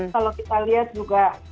kalau kita lihat juga